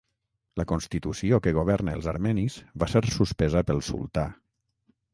La constitució que governa els armenis va ser suspesa pel sultà.